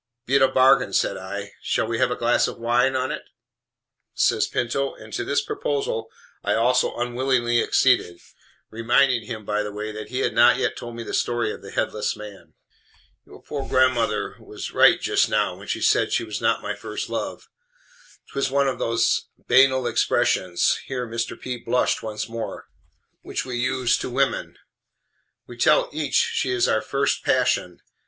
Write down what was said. "Be it a bargain," said I. "Shall we have a glass of wine on it?" says Pinto; and to this proposal I also unwillingly acceded, reminding him, by the way, that he had not yet told me the story of the headless man. "Your poor gr ndm ther was right just now, when she said she was not my first love. 'Twas one of those banale expressions" (here Mr. P. blushed once more) "which we use to women. We tell each she is our first passion.